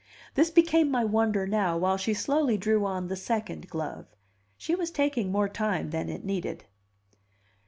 This became my wonder now, while she slowly drew on the second glove. She was taking more time than it needed.